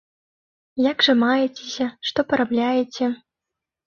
Як жа маецеся, што парабляеце?